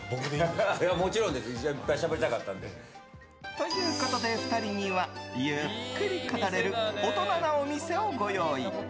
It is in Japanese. ということで２人にはゆっくり語れる大人なお店をご用意。